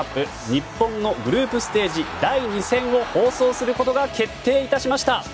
日本のグループステージ第２戦を放送することが決定致しました。